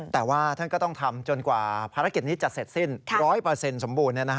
แต่ว่าท่านก็ต้องทำจนกว่าภารกิจนี้จะเสร็จสิ้น๑๐๐สมบูรณ์